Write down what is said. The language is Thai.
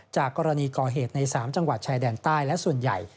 จากกรณีก่อเหตุใน๓จังหวัดชายแดนใต้และส่วนใหญ่